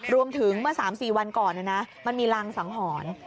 รวมถึงเมื่อ๓๔วันก่อนมันมีรังสังหรณ์